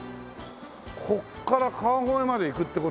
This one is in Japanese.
ここから川越まで行くって事？